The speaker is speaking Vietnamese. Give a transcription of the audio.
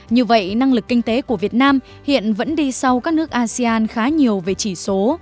như vậy năng lực kinh tế của việt nam hiện vẫn đi sau các nước asean khá nhiều về chỉ số